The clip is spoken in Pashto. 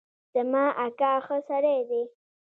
زما اکا ښه سړی دی